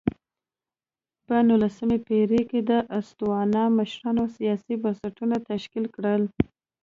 په نولسمه پېړۍ کې د تسوانا مشرانو سیاسي بنسټونه تشکیل کړل.